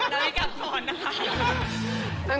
ดาววิทย์กลับก่อนนะคะ